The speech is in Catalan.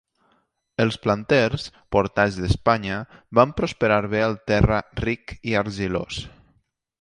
Els planters, portats d'Espanya, van prosperar bé al terra ric i argilós.